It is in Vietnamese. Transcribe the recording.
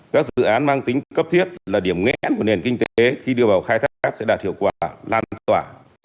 các dự án mang tính cấp thiết là điểm nghẽn của nền kinh tế khi đưa vào khai thác cát sẽ đạt hiệu quả lan tỏa